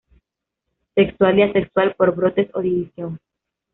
Sexual y asexual, por brotes o división.